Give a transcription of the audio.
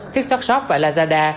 tiktok shop và lazada